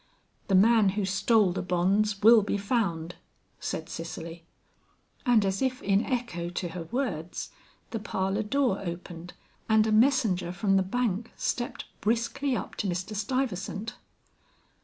"The man who stole the bonds will be found," said Cicely. And as if in echo to her words the parlor door opened, and a messenger from the bank stepped briskly up to Mr. Stuyvesant.